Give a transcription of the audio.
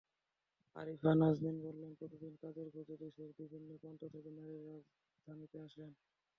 আরিফা নাজনীন বললেন, প্রতিদিন কাজের খোঁজে দেশের বিভিন্ন প্রান্ত থেকে নারীরা রাজধানীতে আসেন।